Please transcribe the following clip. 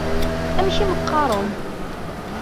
Amek i m-qqaṛen?